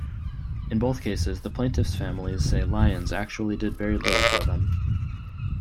In both cases, the plaintiff's families say Lyons actually did very little for them.